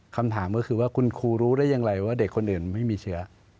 คำถามก็คือว่าคุณครูรู้ได้อย่างไรว่าเด็กคนอื่นไม่มีเชื้อ